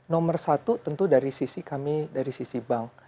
nomor satu tentu dari sisi kami dari sisi bank